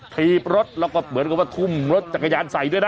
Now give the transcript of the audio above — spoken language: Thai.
ถีบรถแล้วก็เหมือนกับว่าทุ่มรถจักรยานใส่ด้วยนะ